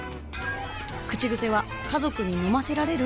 口癖は「家族に飲ませられる？」